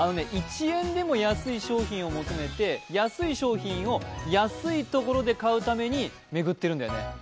１円でも安い商品を求めて安い商品を安いところで安い商品を買うために巡ってるんだよね。